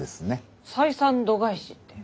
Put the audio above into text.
採算度外視って？